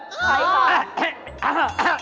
นี่ค่ะนี่ค่ะนี่ค่ะเพื่อนน้า